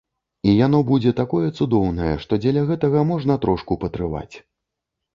І яно будзе такое цудоўнае, што дзеля гэтага можна трошку патрываць.